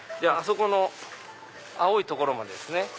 あそこの青い所までですね。